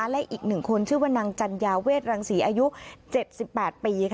และอีก๑คนชื่อว่านางจัญญาเวทรังศรีอายุ๗๘ปี